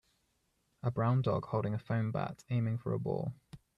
A brown dog holding a foam bat aiming for a ball.